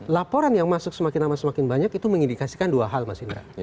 laporan yang masuk semakin lama semakin banyak itu mengindikasikan dua hal mas indra